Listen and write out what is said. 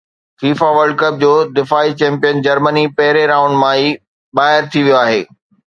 FIFA world cup جو دفاعي champion جرمني پهرين رائونڊ مان ئي ٻاهر ٿي ويو آهي